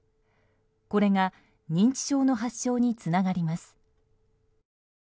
これが認知症の発症につながります。